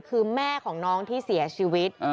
คือแม่ของน้องที่เสียชีวิต